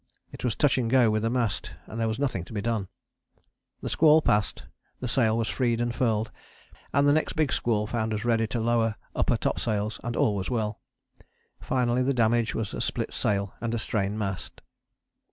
It was touch and go with the mast and there was nothing to be done. The squall passed, the sail was freed and furled, and the next big squall found us ready to lower upper topsails and all was well. Finally the damage was a split sail and a strained mast.